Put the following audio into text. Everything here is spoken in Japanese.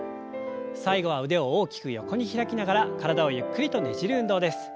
最後は腕を大きく横に開きながら体をゆっくりとねじる運動です。